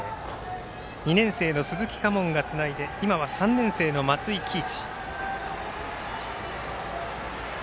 ２年生の鈴木佳門がつないで今は３年生の松井喜一。